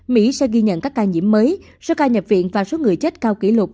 mỹ sẽ ghi nhận các ca nhiễm mới số ca nhập viện và số người chết cao kỷ lục